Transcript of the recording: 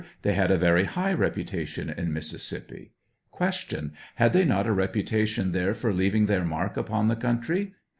They had a very high reputation in Mississippi. Q. Had they not a reputation there for leaving their mark upon the country